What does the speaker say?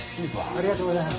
ありがとうございます。